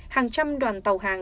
hàng trăm đoàn tàu hàng